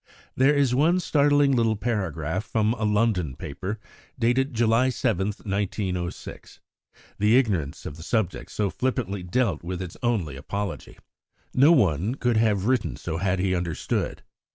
There is one startling little paragraph from a London paper, dated July 7, 1906; the ignorance of the subject so flippantly dealt with is its only apology. No one could have written so had he understood.